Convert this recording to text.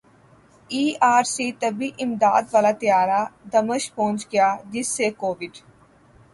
ای R C طبی امداد والا طیارہ دمشق پہنچ گیا جس سے کوویڈ